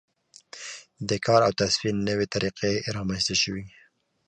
د کار او تصفیې نوې طریقې رامنځته شوې.